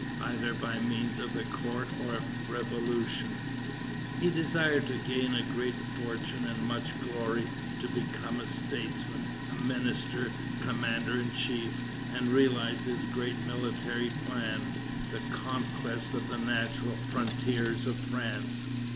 Either by means of the court or the Revolution, he desired to gain a great fortune and much glory, to become a statesman, a minister, commander in chief, and realize his great military plan, the conquest of the natural frontiers of France.